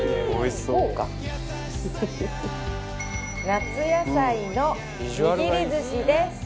夏野菜のにぎり寿司です！